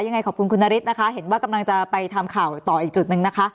ยังไงขอบคุณคุณนฤทธินะคะเห็นว่ากำลังจะไปทำข่าวต่ออีกจุดหนึ่งนะคะ